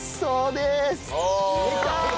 できた！